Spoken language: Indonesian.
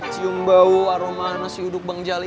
cium bau aroma nasi uduk bang jali